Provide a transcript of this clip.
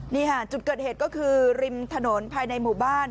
นี่ค่ะจุดเกิดเหตุก็คือริมถนนภายในหมู่บ้าน